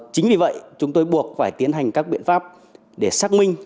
chính vì vậy chúng tôi buộc phải tiến hành các biện pháp để xác minh